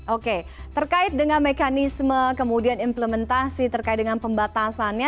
oke terkait dengan mekanisme kemudian implementasi terkait dengan pembatasannya